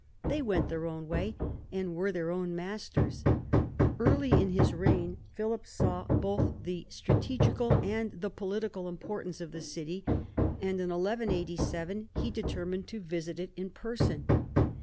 They went their own way, and were their own masters. Early in his reign Philip saw both the strategical and the political importance of the city, and in 1187 he determined to visit it in person.